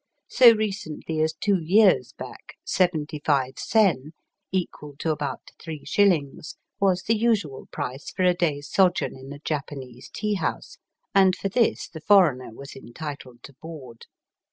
So recently as two years back seventy five sen, equal to about three shillings, was the usual price for a day's sojourn in a Japanese tea house, and for this the foreigner was entitled to board.